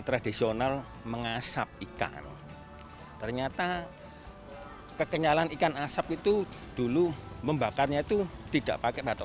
tradisional mengasap ikan ternyata kekenyalan ikan asap itu dulu membakarnya itu tidak pakai batok